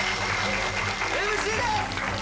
ＭＣです！